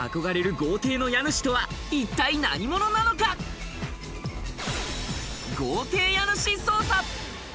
豪邸家主捜査。